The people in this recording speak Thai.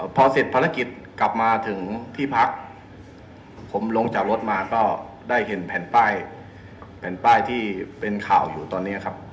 พอเสร็จภารกิจกลับมาถึงที่พักผมลงจากรถมาก็ได้เห็นแผ่นป้ายแผ่นป้ายที่เป็นข่าวอยู่ตอนนี้ครับ